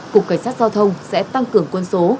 cục cảnh sát giao thông sẽ tăng cường quân số